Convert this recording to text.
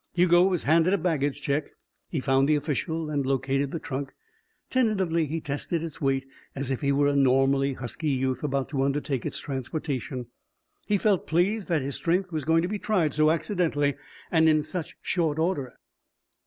Hugo was handed a baggage check. He found the official and located the trunk. Tentatively he tested its weight, as if he were a normally husky youth about to undertake its transportation. He felt pleased that his strength was going to be tried so accidentally and in such short order.